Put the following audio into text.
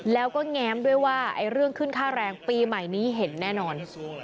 แล้วก็แง้มด้วยว่าเรื่องขึ้นค่าแรงปีใหม่นี้เห็นแน่นอน